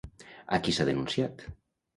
A qui s'ha denunciat?